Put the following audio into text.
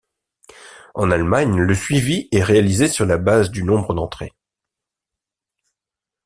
En Allemagne, le suivi est réalisé sur la base du nombre d'entrées.